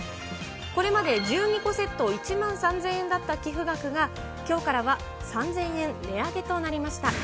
これまで１２個セット１万３０００円だった寄付額が、きょうからは３０００円値上げとなりました。